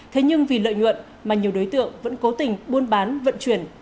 thế nhưng vì lợi nhuận mà nhiều đối tượng vẫn cố tình buôn bán vận chuyển